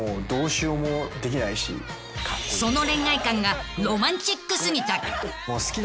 ［その恋愛観がロマンチック過ぎた］